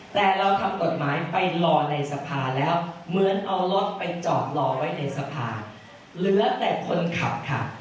แต่เราทำกฎหมายไปรอในสภาแล้วเหมือนเอารถไปจอดรอไว้ในสภาเหลือแต่คนขับค่ะ